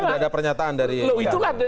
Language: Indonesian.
sudah ada pernyataan dari